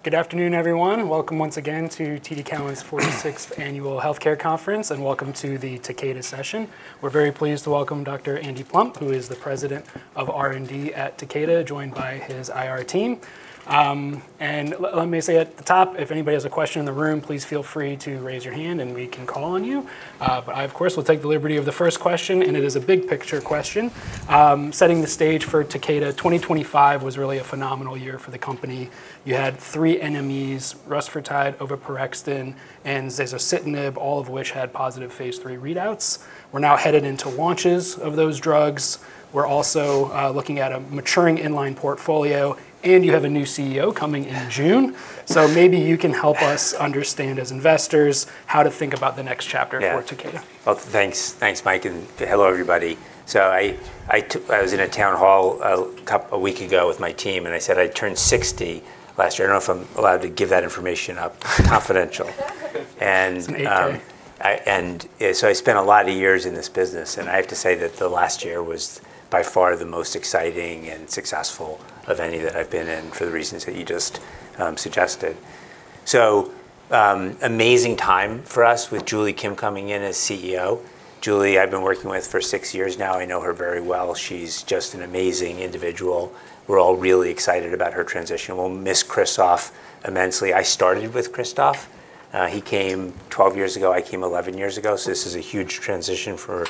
Well, good afternoon, everyone. Welcome once again to TD Cowen's 46th Annual Healthcare Conference, welcome to the Takeda session. We're very pleased to welcome Dr. Andy Plump, who is the President of R&D at Takeda, joined by his IR team. Let me say at the top, if anybody has a question in the room, please feel free to raise your hand and we can call on you. I, of course, will take the liberty of the first question, it is a big-picture question. Setting the stage for Takeda, 2025 was really a phenomenal year for the company. You had three NMEs, rusfertide, oveporexton, and zasocitinib, all of which had positive phase III readouts. We're now headed into launches of those drugs. We're also looking at a maturing inline portfolio, you have a new CEO coming in June. Maybe you can help us understand, as investors, how to think about the next chapter? Yeah... for Takeda. Well, thanks. Thanks, Mike, and hello, everybody. I was in a town hall a week ago with my team, and I said I turned 60 last year. I don't know if I'm allowed to give that information out confidential. It's an age check. I spent a lot of years in this business, and I have to say that the last year was by far the most exciting and successful of any that I've been in for the reasons that you just suggested. Amazing time for us with Julie Kim coming in as CEO. Julie, I've been working with for six years now. I know her very well. She's just an amazing individual. We're all really excited about her transition. We'll miss Christophe immensely. I started with Christophe. He came 12 years ago. I came 11 years ago. This is a huge transition for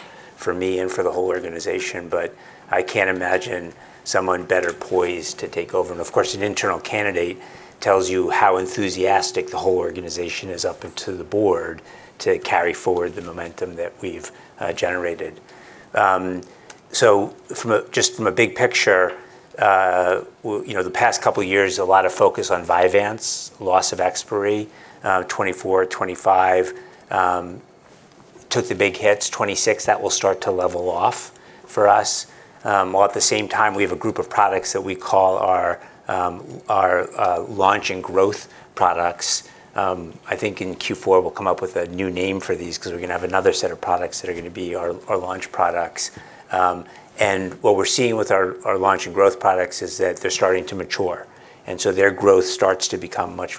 me and for the whole organization, but I can't imagine someone better poised to take over. Of course, an internal candidate tells you how enthusiastic the whole organization is up into the board to carry forward the momentum that we've generated. From a, just from a big picture, you know, the past couple of years, a lot of focus on Vyvanse, loss of expiry, 2024, 2025, took the big hits. 2026, that will start to level off for us. While at the same time, we have a group of products that we call our launch and growth products. I think in Q4, we'll come up with a new name for these because we're gonna have another set of products that are gonna be our launch products. What we're seeing with our launch and growth products is that they're starting to mature, and so their growth starts to become much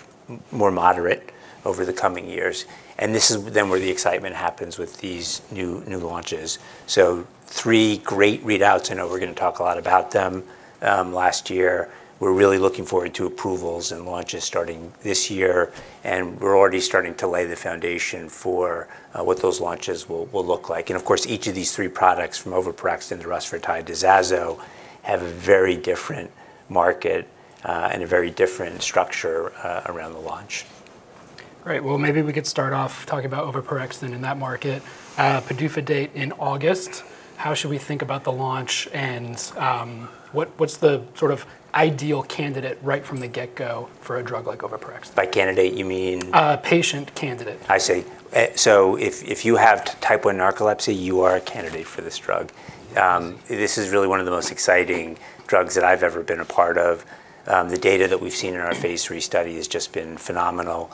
more moderate over the coming years. This is then where the excitement happens with these new launches. Three great readouts, I know we're gonna talk a lot about them, last year. We're really looking forward to approvals and launches starting this year, and we're already starting to lay the foundation for what those launches will look like. Of course, each of these three products from oveporexton to rusfertide to zasocitinib have a very different market, and a very different structure around the launch. Great. Well, maybe we could start off talking about oveporexton in that market. PDUFA date in August. How should we think about the launch and, what's the sort of ideal candidate right from the get go for a drug like oveporexton? By candidate you mean? Patient candidate. I see. If you have type 1 narcolepsy, you are a candidate for this drug. This is really one of the most exciting drugs that I've ever been a part of. The data that we've seen in our phase III study has just been phenomenal.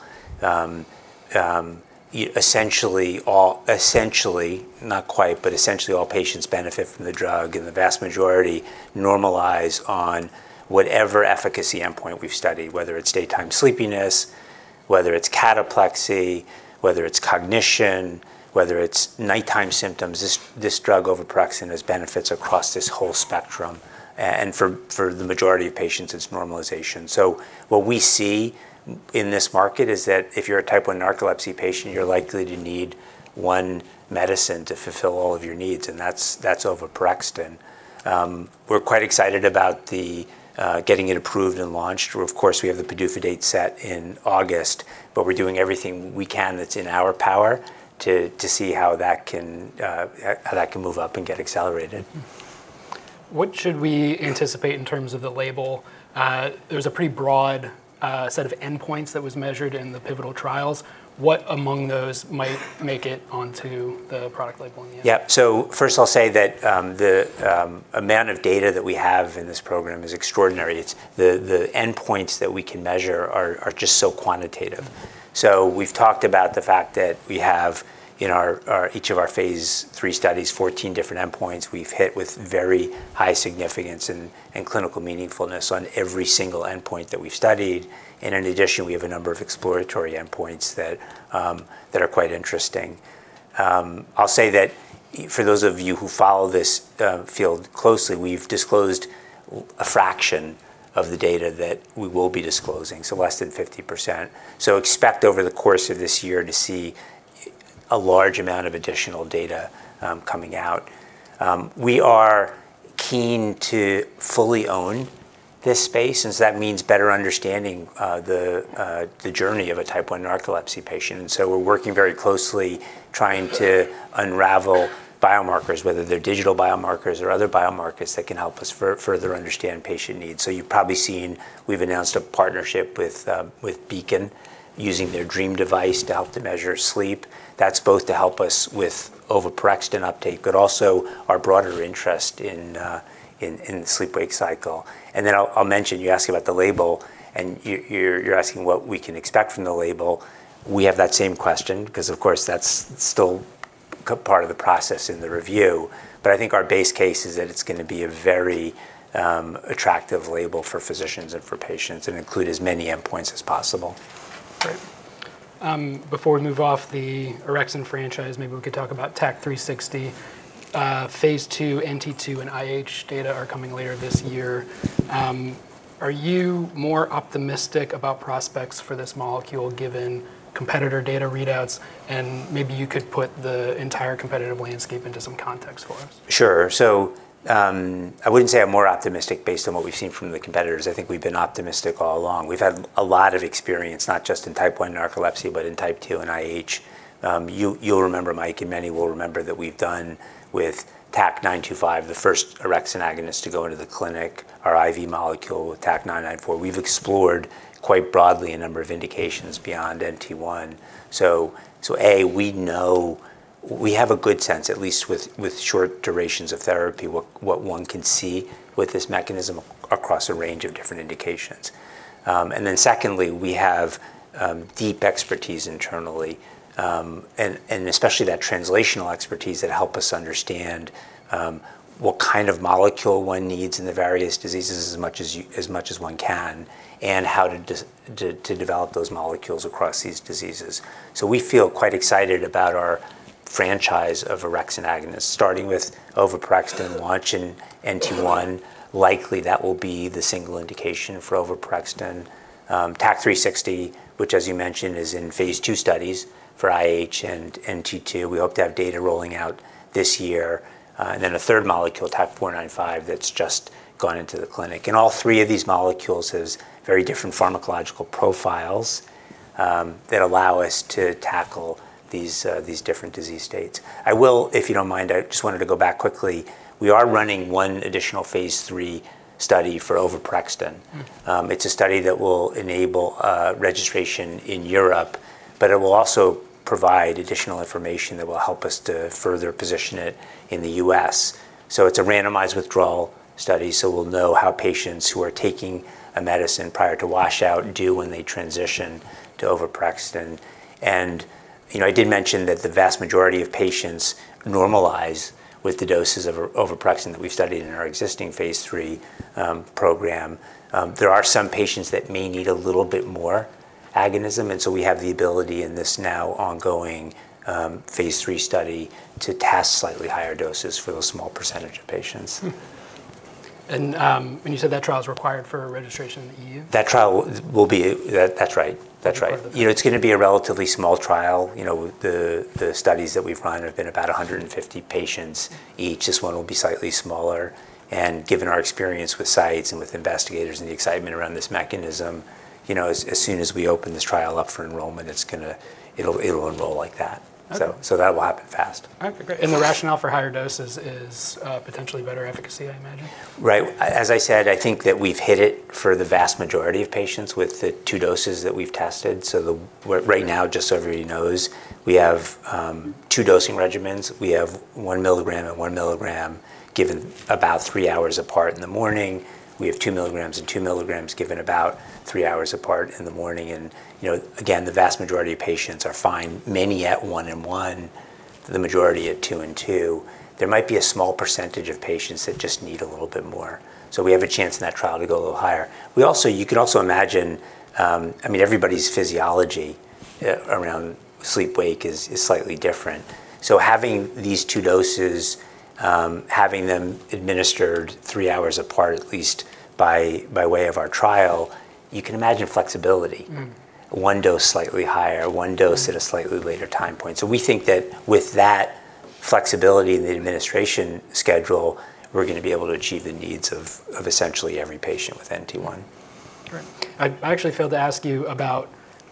Essentially, not quite, but essentially all patients benefit from the drug, and the vast majority normalize on whatever efficacy endpoint we've studied, whether it's daytime sleepiness, whether it's cataplexy, whether it's cognition, whether it's nighttime symptoms. This drug oveporexton has benefits across this whole spectrum. For the majority of patients, it's normalization. What we see in this market is that if you're a type 1 narcolepsy patient, you're likely to need one medicine to fulfill all of your needs, and that's oveporexton. We're quite excited about getting it approved and launched. Of course, we have the PDUFA date set in August, but we're doing everything we can that's in our power to see how that can move up and get accelerated. What should we anticipate in terms of the label? There's a pretty broad set of endpoints that was measured in the pivotal trials. What among those might make it onto the product label in the end? Yeah. First of all, say that the amount of data that we have in this program is extraordinary. It's the endpoints that we can measure are just so quantitative. We've talked about the fact that we have in each of our phase III studies, 14 different endpoints we've hit with very high significance and clinical meaningfulness on every single endpoint that we've studied. In addition, we have a number of exploratory endpoints that are quite interesting. I'll say that for those of you who follow this field closely, we've disclosed a fraction of the data that we will be disclosing, less than 50%. Expect over the course of this year to see a large amount of additional data coming out. We are keen to fully own this space since that means better understanding the journey of a type 1 narcolepsy patient. We're working very closely trying to unravel biomarkers, whether they're digital biomarkers or other biomarkers that can help us further understand patient needs. You've probably seen, we've announced a partnership with Beacon Biosignals using their Dreem device to help to measure sleep. That's both to help us with oveporexton uptake, but also our broader interest in sleep-wake cycle. I'll mention you asking about the label, and you're asking what we can expect from the label. We have that same question because, of course, that's still part of the process in the review. I think our base case is that it's gonna be a very attractive label for physicians and for patients and include as many endpoints as possible. Great. Before we move off the orexin franchise, maybe we could talk about TAK-360, phase II, NT2 and IH data are coming later this year. Are you more optimistic about prospects for this molecule given competitor data readouts? Maybe you could put the entire competitive landscape into some context for us. Sure. I wouldn't say I'm more optimistic based on what we've seen from the competitors. I think we've been optimistic all along. We've had a lot of experience, not just in type 1 narcolepsy, but in type 2 and IH. You'll remember, Mike, and many will remember that we've done with TAK-925, the first orexin agonist to go into the clinic, our IV molecule with TAK-994. We've explored quite broadly a number of indications beyond NT1. A, we have a good sense, at least with short durations of therapy, what one can see with this mechanism across a range of different indications. Then secondly, we have deep expertise internally, and especially that translational expertise that help us understand what kind of molecule one needs in the various diseases as much as one can, and how to develop those molecules across these diseases. We feel quite excited about our franchise of orexin agonists, starting with oveporexton launch in NT1. Likely, that will be the single indication for oveporexton. TAK-360, which, as you mentioned, is in phase II studies for IH and NT2. We hope to have data rolling out this year. Then a third molecule, TAC-495, that's just gone into the clinic. All three of these molecules has very different pharmacological profiles, that allow us to tackle these different disease states. I will, if you don't mind, I just wanted to go back quickly. We are running one additional phase III study for oveporexton. It's a study that will enable registration in Europe, but it will also provide additional information that will help us to further position it in the U.S. It's a randomized withdrawal study, so we'll know how patients who are taking a medicine prior to wash out do when they transition to oveporexton. You know, I did mention that the vast majority of patients normalize with the doses of oveporexton that we've studied in our existing phase III program. There are some patients that may need a little bit more agonism, and so we have the ability in this now ongoing phase III study to test slightly higher doses for those small percentage of patients. You said that trial is required for registration in the EU? That's right. That's right. You know, it's gonna be a relatively small trial. You know, the studies that we've run have been about 150 patients each. This one will be slightly smaller. Given our experience with sites and with investigators and the excitement around this mechanism, you know, as soon as we open this trial up for enrollment, it'll enroll like that. Okay. That will happen fast. All right, great. The rationale for higher doses is, potentially better efficacy, I imagine. Right. As I said, I think that we've hit it for the vast majority of patients with the two doses that we've tested. Right now, just so everybody knows, we have two dosing regimens. We have 1 mg and 1 mg given about three hours apart in the morning. We have 2 mg and 2 mg given about three hours apart in the morning. You know, again, the vast majority of patients are fine, many at one and one, the majority at two and two. There might be a small percentage of patients that just need a little bit more. We have a chance in that trial to go a little higher. You can also imagine, I mean, everybody's physiology around sleep-wake is slightly different. Having these two doses, having them administered three hours apart, at least by way of our trial, you can imagine flexibility. Mm. One dose slightly higher, one dose at a slightly later time point. We think that with that flexibility in the administration schedule, we're gonna be able to achieve the needs of essentially every patient with NT1. Great. I actually failed to ask you about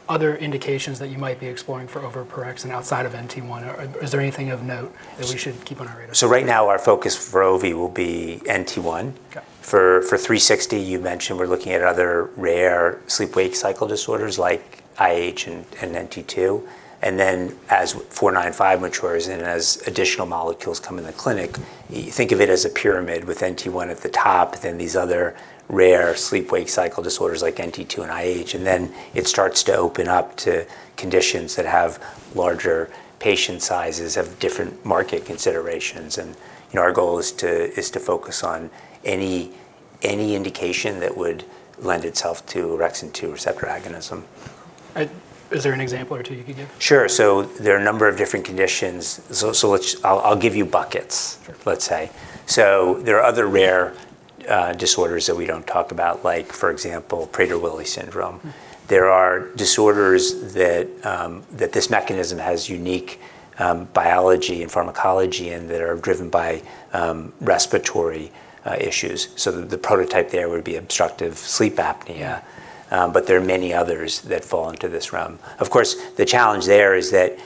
other indications that you might be exploring for oveporexton outside of NT1. Is there anything of note that we should keep on our radar? Right now, our focus for oveporexton will be NT1. Okay. For 360, you mentioned we're looking at other rare sleep-wake cycle disorders like IH and NT2. Then as 495 matures and as additional molecules come in the clinic, think of it as a pyramid with NT1 at the top, then these other rare sleep-wake cycle disorders like NT2 and IH. Then it starts to open up to conditions that have larger patient sizes, have different market considerations. You know, our goal is to focus on any indication that would lend itself to orexin 2 receptor agonism. Is there an example or two you could give? Sure. There are a number of different conditions. I'll give you buckets. Sure... let's say. There are other rare disorders that we don't talk about, like, for example, Prader-Willi syndrome. There are disorders that this mechanism has unique biology and pharmacology and that are driven by respiratory issues. The prototype there would be obstructive sleep apnea, but there are many others that fall into this realm. Of course, the challenge there is that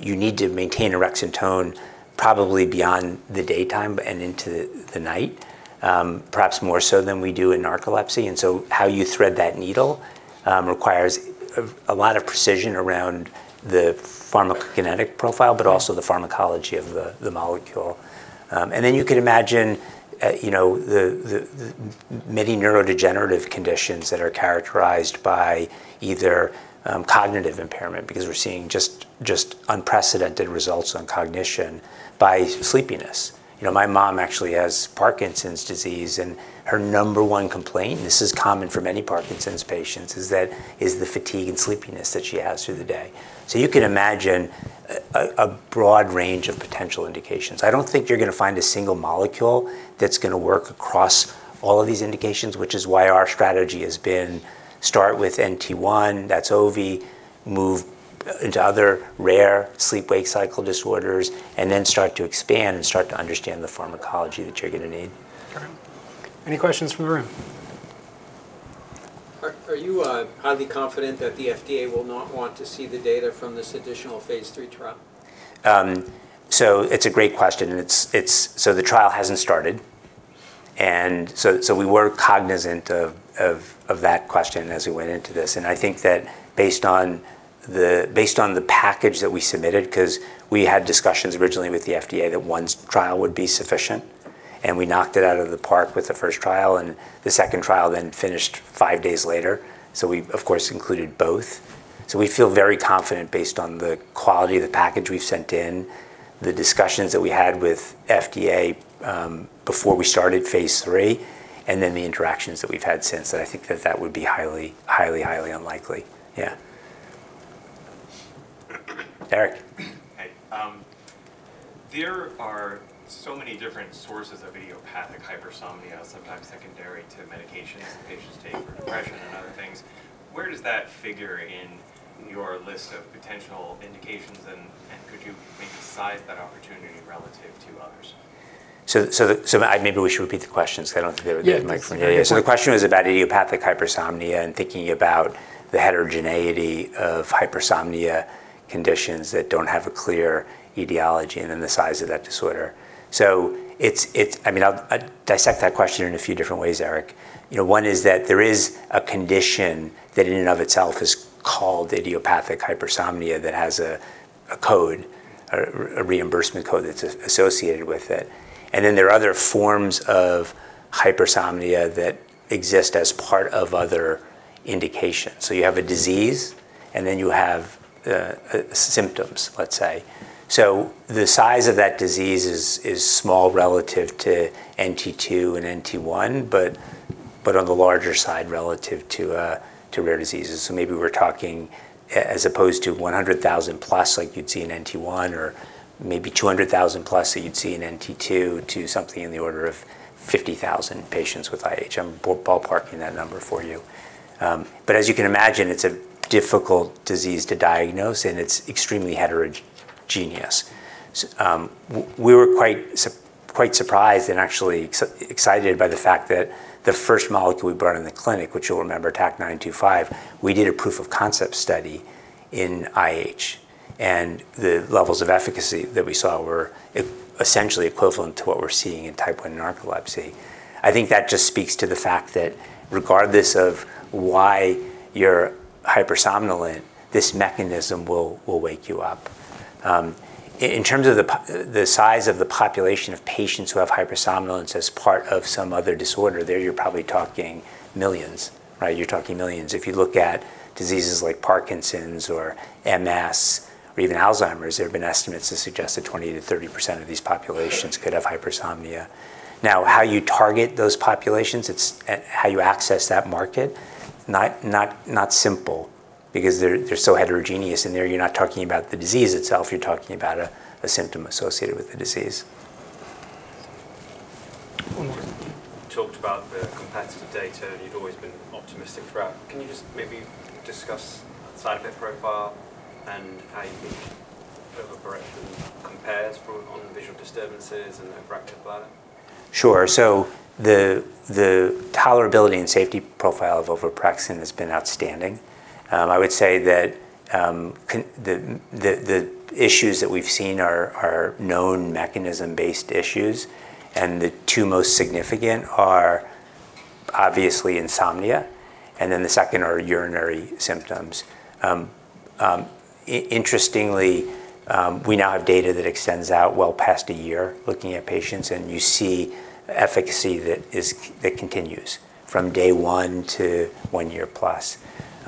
you need to maintain orexin tone probably beyond the daytime and into the night, perhaps more so than we do in narcolepsy. How you thread that needle requires a lot of precision around the pharmacokinetic profile, but also the pharmacology of the molecule. You can imagine many neurodegenerative conditions that are characterized by either cognitive impairment, because we're seeing unprecedented results on cognition by sleepiness. My mom has Parkinson's disease, and her number one complaint, this is common for many Parkinson's patients, is the fatigue and sleepiness that she has through the day. You can imagine a broad range of potential indications. I don't think you're gonna find a single molecule that's gonna work across all of these indications, which is why our strategy has been start with NT1, that's oveporexton, move into other rare sleep-wake cycle disorders, and then start to expand and start to understand the pharmacology that you're gonna need. Sure. Any questions from the room? Are you highly confident that the FDA will not want to see the data from this additional phase III trial? It's a great question. The trial hasn't started. We were cognizant of that question as we went into this. I think that based on the package that we submitted, because we had discussions originally with the FDA that one trial would be sufficient. We knocked it out of the park with the first trial. The second trial then finished five days later. We, of course, included both. We feel very confident based on the quality of the package we've sent in, the discussions that we had with FDA, before we started phase III, the interactions that we've had since. I think that would be highly, highly unlikely. Yeah. Eric. Hi. There are so many different sources of idiopathic hypersomnia, sometimes secondary to medications that patients take for depression and other things. Where does that figure in your list of potential indications, and could you maybe size that opportunity relative to others? Maybe we should repeat the question 'cause I don't think they were good mic scenarios. Yeah. The question was about idiopathic hypersomnia and thinking about the heterogeneity of hypersomnia conditions that don't have a clear etiology and then the size of that disorder. It's, I mean, I'll dissect that question in a few different ways, Eric. You know, one is that there is a condition that in and of itself is called idiopathic hypersomnia that has a code, a reimbursement code that's associated with it. There are other forms of hypersomnia that exist as part of other indications. You have a disease, and then you have symptoms, let's say. The size of that disease is small relative to NT2 and NT1, but on the larger side relative to rare diseases. Maybe we're talking as opposed to 100,000+ like you'd see in NT1 or maybe 200,000+ that you'd see in NT2 to something in the order of 50,000 patients with IH. I'm ballpark that number for you. But as you can imagine, it's a difficult disease to diagnose, and it's extremely heterogeneous. We were quite surprised and actually excited by the fact that the first molecule we brought in the clinic, which you'll remember, TAK-925, we did a proof of concept study in IH. The levels of efficacy that we saw were essentially equivalent to what we're seeing in type 1 narcolepsy. I think that just speaks to the fact that regardless of why you're hypersomnolent, this mechanism will wake you up. In terms of the size of the population of patients who have hypersomnolence as part of some other disorder, there you're probably talking millions, right? You're talking millions. If you look at diseases like Parkinson's or MS or even Alzheimer's, there have been estimates that suggest that 20%-30% of these populations could have hypersomnia. How you target those populations, how you access that market, not, not simple because they're so heterogeneous in there. You're not talking about the disease itself. You're talking about a symptom associated with the disease. One more. You talked about the competitive data, and you've always been optimistic throughout. Can you just maybe discuss the side effect profile and how you think oveporexton compares on visual disturbances and? [inaudible] Sure. The tolerability and safety profile of oveporexton has been outstanding. I would say that the issues that we've seen are known mechanism-based issues, and the two most significant are obviously insomnia and then the second are urinary symptoms. Interestingly, we now have data that extends out well past a year looking at patients, and you see efficacy that continues from day one to one year plus.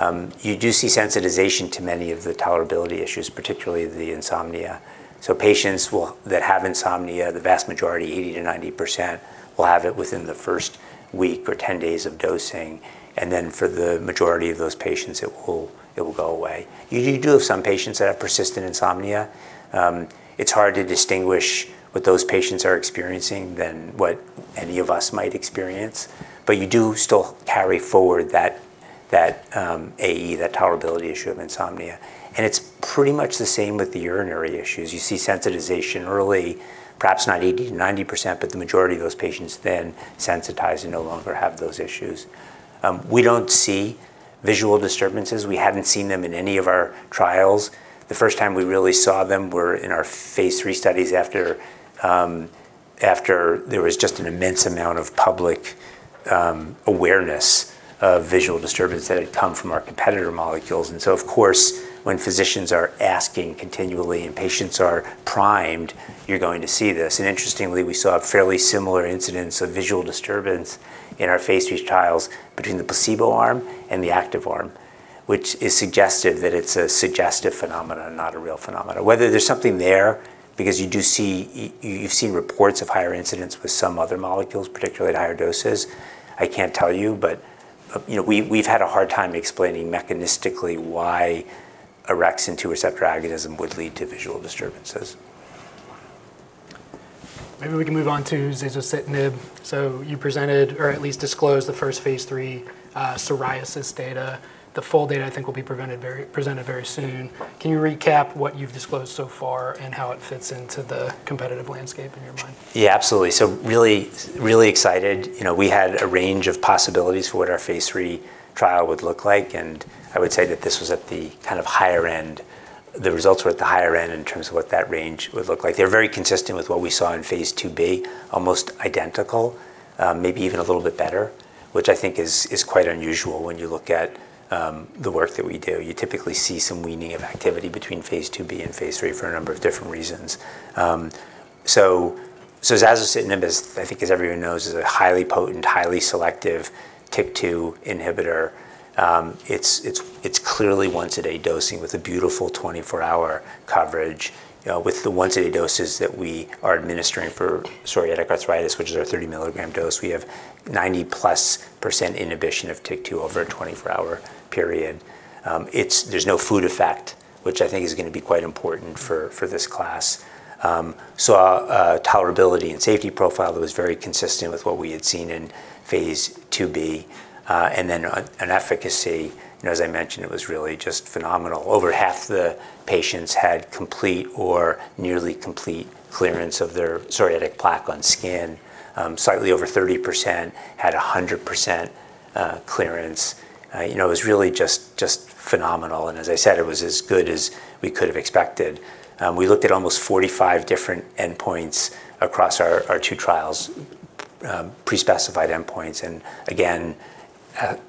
You do see sensitization to many of the tolerability issues, particularly the insomnia. Patients that have insomnia, the vast majority, 80%-90%, will have it within the first week or 10 days of dosing, and then for the majority of those patients, it will go away. You do have some patients that have persistent insomnia. It's hard to distinguish what those patients are experiencing than what any of us might experience. You do still carry forward that AE, that tolerability issue of insomnia. It's pretty much the same with the urinary issues. You see sensitization early, perhaps not 80%, 90%, but the majority of those patients then sensitize and no longer have those issues. We don't see visual disturbances. We haven't seen them in any of our trials. The first time we really saw them were in our phase III studies after there was just an immense amount of public awareness of visual disturbance that had come from our competitor molecules. Of course, when physicians are asking continually and patients are primed, you're going to see this. Interestingly, we saw a fairly similar incidence of visual disturbance in our phase III trials between the placebo arm and the active arm, which is suggestive that it's a suggestive phenomena, not a real phenomena. Whether there's something there because you do see you've seen reports of higher incidence with some other molecules, particularly at higher doses, I can't tell you. You know, we've had a hard time explaining mechanistically why a orexin 2 receptor agonism would lead to visual disturbances. Maybe we can move on to zasocitinib. You presented or at least disclosed the first phase III psoriasis data. The full data I think will be presented very soon. Can you recap what you've disclosed so far and how it fits into the competitive landscape in your mind? Yeah, absolutely. Really, really excited. You know, we had a range of possibilities for what our phase III trial would look like, and I would say that this was at the kind of higher end, the results were at the higher end in terms of what that range would look like. They're very consistent with what we saw in phase IIB, almost identical, maybe even a little bit better, which I think is quite unusual when you look at the work that we do. You typically see some weaning of activity between phase IIB and phase III for a number of different reasons. zasocitinib is I think as everyone knows is a highly potent, highly selective TYK2 inhibitor. It's clearly once a day dosing with a beautiful 24-hour coverage. You know, with the once-a-day doses that we are administering for psoriatic arthritis, which is our 30 mg dose, we have 90%+ inhibition of TYK2 over a 24-hour period. There's no food effect, which I think is gonna be quite important for this class. Saw a tolerability and safety profile that was very consistent with what we had seen in phase IIB. An efficacy, you know, as I mentioned, it was really just phenomenal. Over half the patients had complete or nearly complete clearance of their psoriatic plaque on skin. Slightly over 30% had 100% clearance. You know, it was really just phenomenal. As I said, it was as good as we could have expected. We looked at almost 45 different endpoints across our two trials, pre-specified endpoints. Again,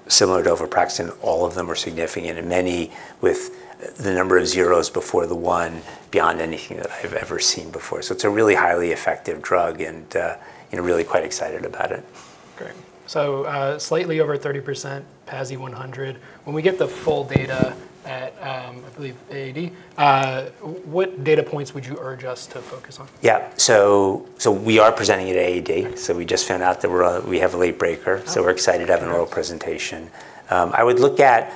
similar to oveporexton, all of them are significant and many with the number of zeros before the one beyond anything that I've ever seen before. It's a really highly effective drug and really quite excited about it. Great. slightly over 30% PASI 100. When we get the full data at, I believe AAD, what data points would you urge us to focus on? Yeah. We are presenting at AAD. We just found out that we're, we have a late breaker, so we're excited to have an oral presentation. I would look at,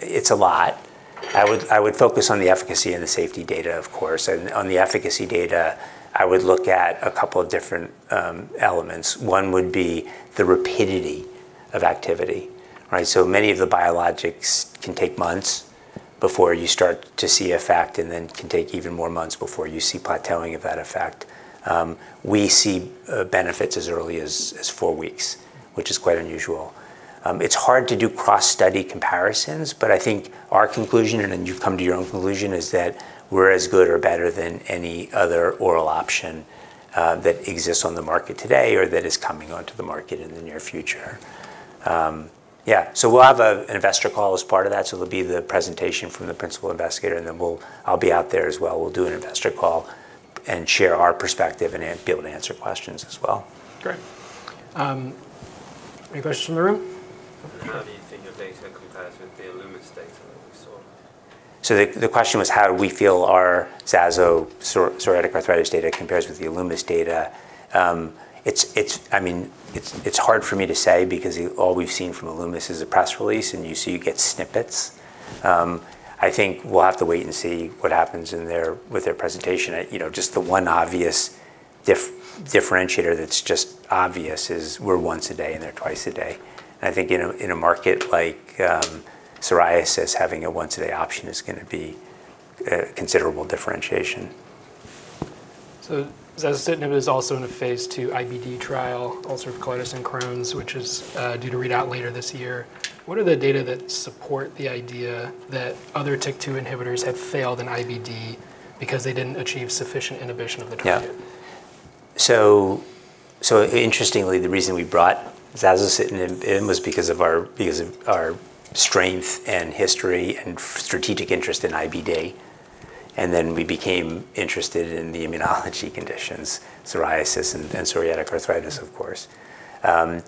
it's a lot. I would focus on the efficacy and the safety data, of course. On the efficacy data, I would look at a couple of different elements. One would be the rapidity of activity, right? Many of the biologics can take months before you start to see effect, and then can take even more months before you see plateauing of that effect. We see benefits as early as four weeks, which is quite unusual. It's hard to do cross study comparisons, but I think our conclusion, and then you come to your own conclusion, is that we're as good or better than any other oral option that exists on the market today or that is coming onto the market in the near future. Yeah. We'll have a, an investor call as part of that, so it'll be the presentation from the principal investigator, and then I'll be out there as well. We'll do an investor call and share our perspective and be able to answer questions as well. Great. Any questions from the room? How do you think your data compares with the Alkermes data that we saw? The question was how do we feel our zasocitinib psoriatic arthritis data compares with the Alkermes data? I mean, it's hard for me to say because all we've seen from Alkermes is a press release, and you see you get snippets. I think we'll have to wait and see what happens with their presentation. You know, just the one obvious differentiator that's just obvious is we're once a day and they're twice a day. I think in a market like psoriasis, having a once a day option is gonna be a considerable differentiation. Zasocitinib is also in a phase II IBD trial, ulcerative colitis and Crohn's, which is due to read out later this year. What are the data that support the idea that other TYK2 inhibitors have failed in IBD because they didn't achieve sufficient inhibition of the target? Yeah. Interestingly, the reason we brought zasocitinib in was because of our strength and history and strategic interest in IBD. We became interested in the immunology conditions, psoriasis and psoriatic arthritis, of course. There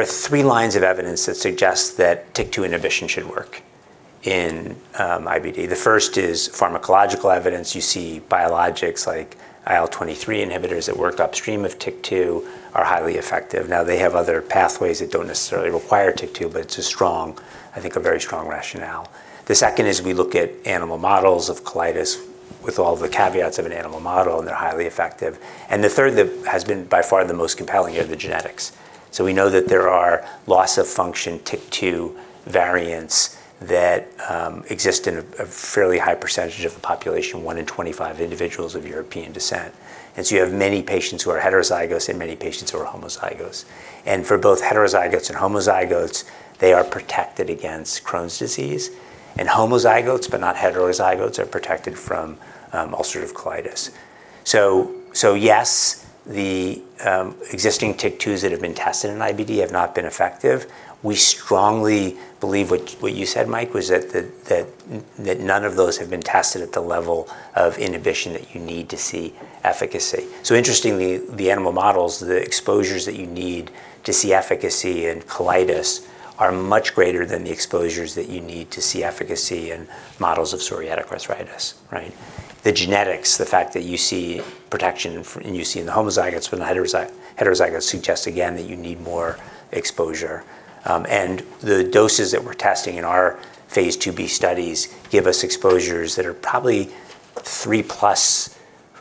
are three lines of evidence that suggest that TYK2 inhibition should work in IBD. The first is pharmacological evidence. You see biologics like IL-23 inhibitors that work upstream of TYK2 are highly effective. Now, they have other pathways that don't necessarily require TYK2, but it's a strong, I think a very strong rationale. The second is we look at animal models of colitis with all the caveats of an animal model, and they're highly effective. The third that has been by far the most compelling are the genetics. We know that there are loss-of-function TYK2 variants that exist in a fairly high percentage of the population, one in 25 individuals of European descent. You have many patients who are heterozygous and many patients who are homozygous. For both heterozygous and homozygous, they are protected against Crohn's disease. Homozygous, but not heterozygous, are protected from ulcerative colitis. Yes, the existing TYK2s that have been tested in IBD have not been effective. We strongly believe what you said, Mike, was that none of those have been tested at the level of inhibition that you need to see efficacy. Interestingly, the animal models, the exposures that you need to see efficacy in colitis are much greater than the exposures that you need to see efficacy in models of psoriatic arthritis, right? The genetics, the fact that you see protection and you see in the homozygous when the heterozygous suggests again that you need more exposure. The doses that we're testing in our phase IIB studies give us exposures that are probably three plus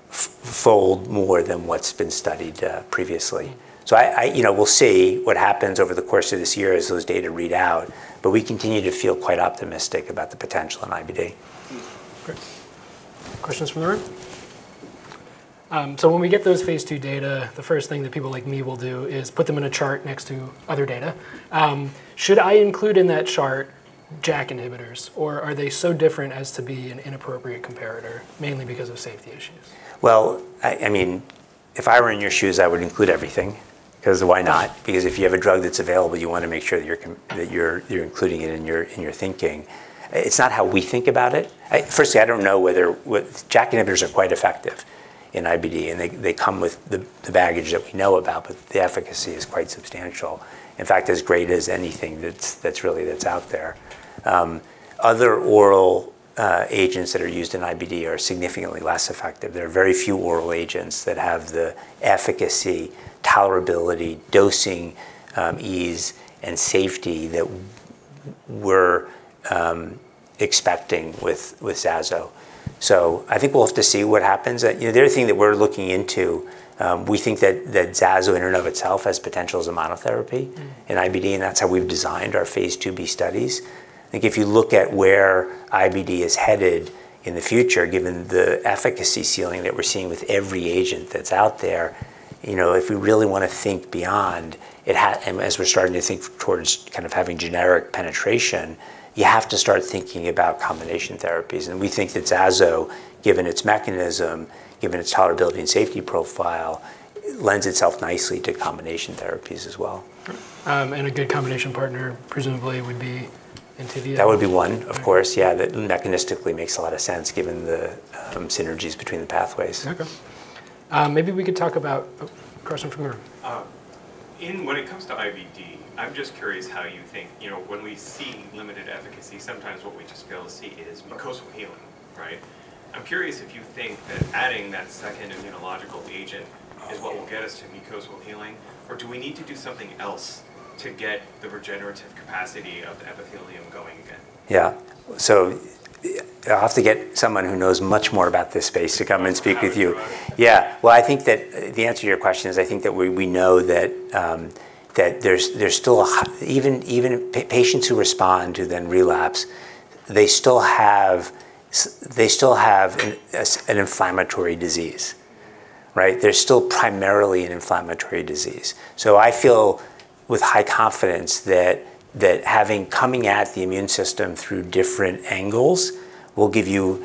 fold more than what's been studied previously. I... You know, we'll see what happens over the course of this year as those data read out, but we continue to feel quite optimistic about the potential in IBD. Great. Questions from the room. When we get those phase II data, the first thing that people like me will do is put them in a chart next to other data. Should I include in that chart JAK inhibitors, or are they so different as to be an inappropriate comparator mainly because of safety issues? Well, I mean, if I were in your shoes, I would include everything because why not? Because if you have a drug that's available, you wanna make sure that you're including it in your, in your thinking. It's not how we think about it. Firstly, I don't know whether JAK inhibitors are quite effective in IBD, and they come with the baggage that we know about, but the efficacy is quite substantial. In fact, as great as anything that's really, that's out there. Other oral agents that are used in IBD are significantly less effective. There are very few oral agents that have the efficacy, tolerability, dosing, ease and safety that we're expecting with zasocitinib. I think we'll have to see what happens. you know, the other thing that we're looking into, we think that zasocitinib in and of itself has potential as a monotherapy. Mm. In IBD, that's how we've designed our phase IIB studies. I think if you look at where IBD is headed in the future, given the efficacy ceiling that we're seeing with every agent that's out there, you know, if we really wanna think beyond, as we're starting to think towards kind of having generic penetration, you have to start thinking about combination therapies. We think that zasocitinib, given its mechanism, given its tolerability and safety profile, lends itself nicely to combination therapies as well. A good combination partner presumably would be Entyvio? That would be one, of course, yeah. That mechanistically makes a lot of sense given the synergies between the pathways. Oh, question from the room. When it comes to IBD, I'm just curious how you think. You know, when we see limited efficacy, sometimes what we just fail to see is mucosal healing, right? I'm curious if you think that adding that second immunological agent is what will get us to mucosal healing, or do we need to do something else to get the regenerative capacity of the epithelium going again? Yeah. I'll have to get someone who knows much more about this space to come and speak with you. Well, I think that the answer to your question is I think that we know that there's still even patients who respond to then relapse, they still have an inflammatory disease, right? They're still primarily an inflammatory disease. I feel with high confidence that coming at the immune system through different angles will give you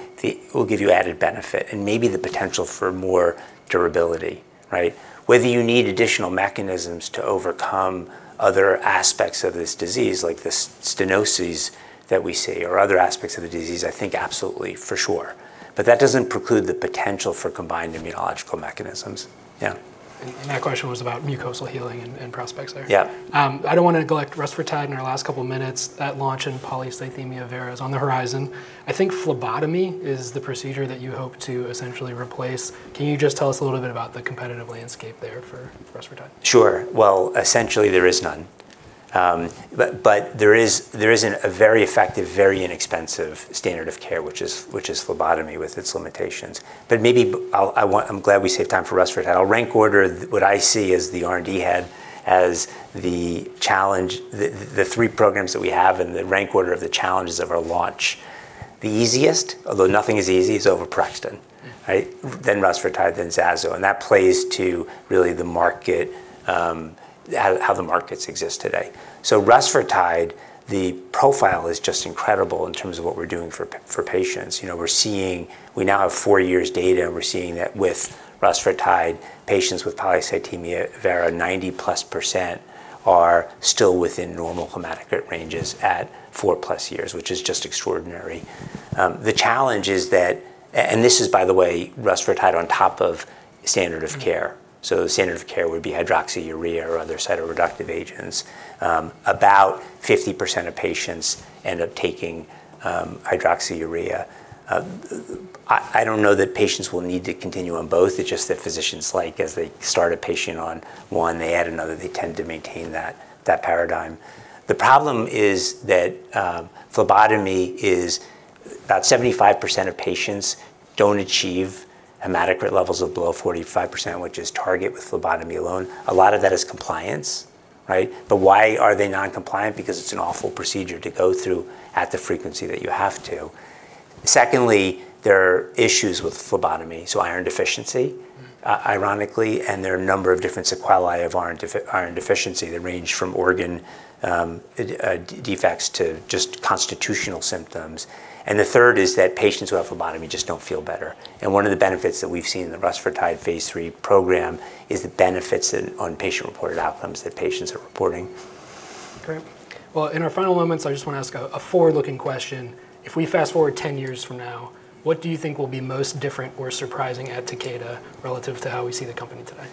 added benefit and maybe the potential for more durability, right? Whether you need additional mechanisms to overcome other aspects of this disease, like the stenoses that we see or other aspects of the disease, I think absolutely for sure. That doesn't preclude the potential for combined immunological mechanisms. Yeah. That question was about mucosal healing and prospects there. Yeah. I don't wanna neglect rusfertide in our last couple of minutes. That launch in Polycythemia vera is on the horizon. I think phlebotomy is the procedure that you hope to essentially replace. Can you just tell us a little bit about the competitive landscape there for rusfertide? Sure. Well, essentially there is none. There is an a very effective, very inexpensive standard of care, which is phlebotomy with its limitations. Maybe I'm glad we saved time for rusfertide. I'll rank order what I see as the R&D head, as the challenge, the three programs that we have and the rank order of the challenges of our launch. The easiest, although nothing is easy, is oveporexton, right? Rusfertide, then zasocitinib, and that plays to really the market, how the markets exist today. Rusfertide, the profile is just incredible in terms of what we're doing for patients. You know, we now have four years data, and we're seeing that with rusfertide, patients with polycythemia vera, 90%+ are still within normal hematocrit ranges at 4+ years, which is just extraordinary. The challenge is that, and this is by the way, rusfertide on top of standard of care. The standard of care would be hydroxyurea or other cytoreductive agents. About 50% of patients end up taking hydroxyurea. I don't know that patients will need to continue on both. It's just that physicians like as they start a patient on one, they add another, they tend to maintain that paradigm. The problem is that phlebotomy is about 75% of patients don't achieve hematocrit levels of below 45%, which is target with phlebotomy alone. A lot of that is compliance, right? Why are they non-compliant? Because it's an awful procedure to go through at the frequency that you have to. Secondly, there are issues with phlebotomy, so iron deficiency, ironically, and there are a number of different sequelae of iron deficiency that range from organ defects to just constitutional symptoms. The third is that patients who have phlebotomy just don't feel better. One of the benefits that we've seen in the rusfertide phase III program is the benefits that on patient-reported outcomes that patients are reporting. Great. Well, in our final moments, I just wanna ask a forward-looking question. If we fast-forward 10 years from now, what do you think will be most different or surprising at Takeda relative to how we see the company today?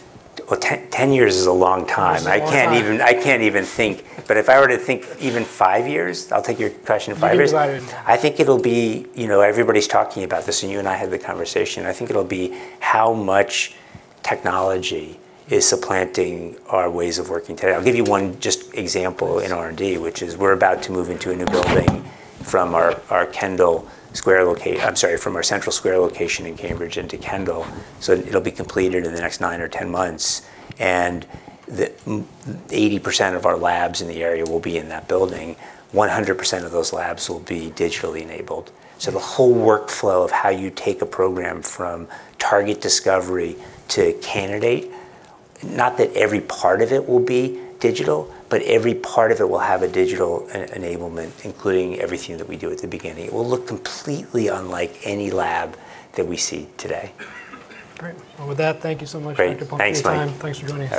Well, 10 years is a long time. It's a long time. I can't even think. If I were to think even five years, I'll take your question in five years. Mm-hmm. Five years. I think it'll be, you know, everybody's talking about this, and you and I had the conversation. I think it'll be how much technology is supplanting our ways of working today. I'll give you one just example in R&D, which is we're about to move into a new building from our Kendall Square, I'm sorry, from our Central Square location in Cambridge into Kendall, so it'll be completed in the next nine or 10 months. The 80% of our labs in the area will be in that building. 100% of those labs will be digitally enabled. The whole workflow of how you take a program from target discovery to candidate, not that every part of it will be digital, but every part of it will have a digital e-enablement, including everything that we do at the beginning. It will look completely unlike any lab that we see today. Great. Well, with that, thank you so much, Andy Plump. Great. Thanks, Mike. Thanks for your time. Thanks for joining us.